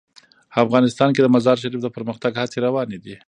افغانستان کې د مزارشریف د پرمختګ هڅې روانې دي.